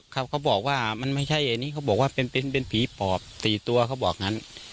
เขาบอกว่ามันไม่ใช่อันนี้เขาบอกว่าเป็นผีปอบ๔ตัวเขาบอกงั้น